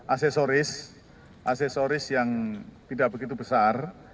aksesoris aksesoris yang tidak begitu besar